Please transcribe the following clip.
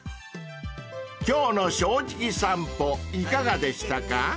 ［今日の『正直さんぽ』いかがでしたか？］